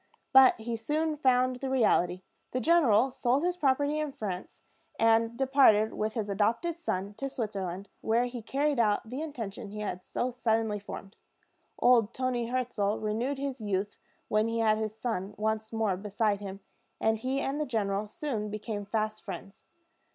But he soon found the reality. The general sold his property in France, and departed with his adopted son to Switzerland, where he carried out the intention he had so suddenly formed. Old Toni Hirzel renewed his youth when he had his son once more beside him, and he and the general soon became fast friends.